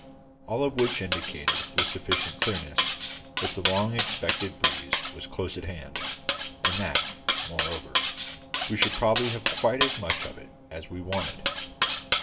All of which indicated with sufficient clearness that the long expected breeze was close at hand, and that, moreover, we should probably have quite as much of it as we wanted.